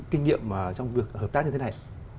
kinh nghiệm trong việc hợp tác như thế này